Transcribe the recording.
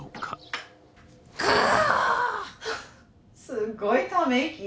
すごいため息。